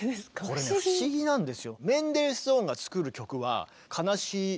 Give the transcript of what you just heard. これ不思議なんですよ。